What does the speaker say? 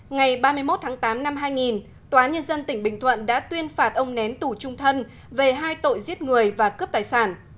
ngày ba mươi một tháng tám năm hai nghìn tòa nhân dân tỉnh bình thuận đã tuyên phạt ông nén tù trung thân về hai tội giết người và cướp tài sản